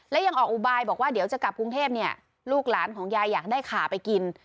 และยังออกอุบายบอกว่าเดี๋ยวจะกลับกรุงเทพเนี่ยลูกหลานของยายอยากได้ขาไปกิน